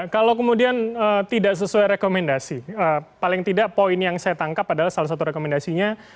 kalau kemudian tidak sesuai rekomendasi paling tidak poin yang saya tangkap adalah salah satu rekomendasinya